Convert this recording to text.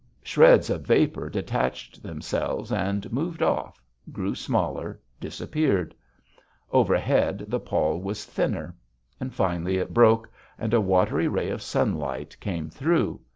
Shreds of vapor detached themselves and moved off, grew smaller, disappeared. Overhead, the pall was thinner. Finally it broke, and a watery ray of sunlight came through.